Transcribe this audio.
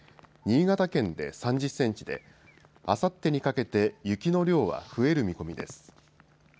新潟県で３０センチであさってにかけて雪の量は増える見込みです。